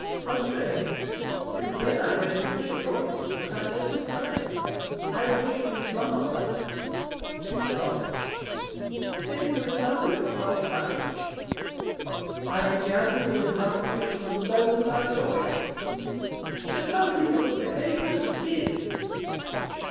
"How strange! It was when I went into the drawing room that I noticed mine. I was looking in the glass, and" She started. "Then you were in love with me last night?" "I began to be in love with you from the moment I saw you." "Then how could you have behaved as you did?"